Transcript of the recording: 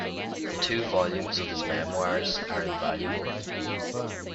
The two volumes of his "Memoirs" are invaluable.